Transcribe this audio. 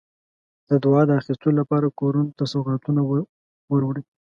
د دعا د اخیستلو لپاره کورونو ته سوغاتونه وروړي.